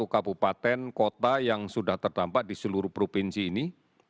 empat ratus tiga puluh satu kabupaten kota yang sudah terdampak di seluruh provinsi ini